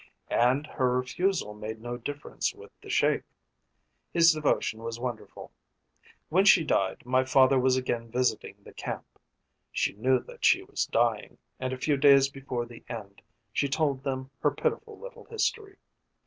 And her refusal made no difference with the Sheik. His devotion was wonderful. When she died my father was again visiting the camp. She knew that she was dying, and a few days before the end she told them her pitiful little history.